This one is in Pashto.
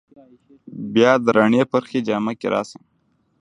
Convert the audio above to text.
بیا د رڼې پرخې جامه کې راشه